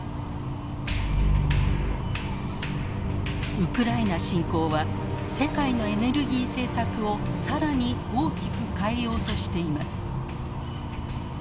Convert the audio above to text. ウクライナ侵攻は世界のエネルギー政策を更に大きく変えようとしています。